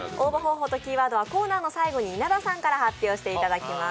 キーワードはコーナーの最後に稲田さんから発表していただきます。